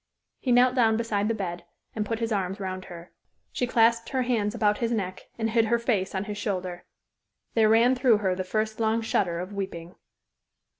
He knelt down beside the bed and put his arms round her. She clasped her hands about his neck and hid her face on his shoulder. There ran through her the first long shudder of weeping.